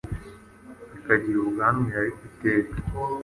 ikagira ubwanwa irarika iteka